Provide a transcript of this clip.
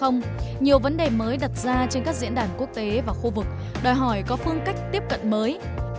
nhiều vấn đề mới đặt ra trên các diễn đàn quốc tế và khu vực đòi hỏi có phương cách tiếp cận mới